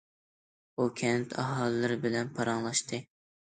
ئۇ كەنت ئاھالىلىرى بىلەن پاراڭلاشتى.